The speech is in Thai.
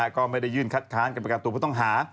ก็ไม่ได้ยื่นคัดค้านการประกันตัวผู้ต้องหา